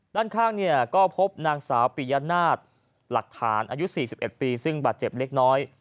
ด้านข้างเนี่ยก็พบนางสาวปียนาฏหลักฐานอายุ๔๑ปีซึ่งบาดเจ็บเล็กน้อย